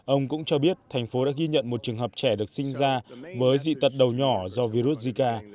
ông cũng cho biết thành phố đã ghi nhận một trường hợp trẻ được sinh ra với dị tật đầu nhỏ do virus zika